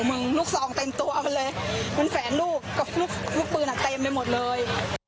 มึงลูกซองเต็มตัวมันเลยมันแฟนลูกลูกปืนอะเต็มไปหมดเลย